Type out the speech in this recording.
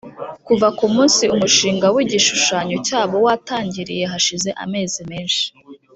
kuva ku munsi umushinga w igishushanyo cyabo watangiriye hashize amezi menshi